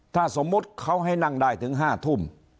ถ้าสมมุติเขาให้นั่งได้ถึง๕ทุ่ม